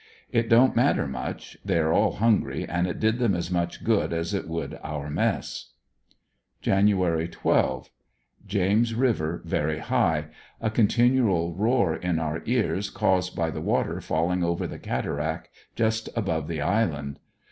It don't matter much — they are all hungry and it did them as much good as it would our mess, Jan. 12, — James River very high. A continual roar in our ears caused by the water falling over the cataract just above the island.